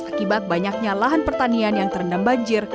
akibat banyaknya lahan pertanian yang terendam banjir